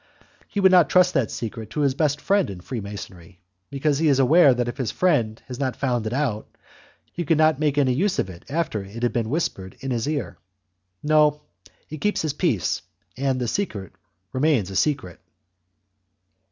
He would not trust that secret to his best friend in Freemasonry, because he is aware that if his friend has not found it out, he could not make any use of it after it had been whispered in his ear. No, he keeps his peace, and the secret remains a secret.